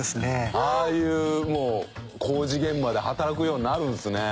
ああいうもう工事現場で働くようになるんですね。